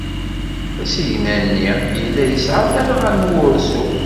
Asigna-nni yella yesɛa talɣa n wursu.